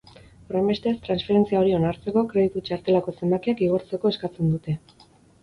Horrenbestez, transferentzia hori onartzeko kreditu txartelako zenbakiak igortzeko eskatzen dute.